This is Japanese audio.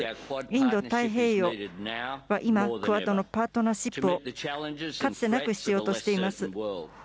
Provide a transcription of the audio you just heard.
インド太平洋は今、クアッドのパートナーシップをかつてなく必要としています。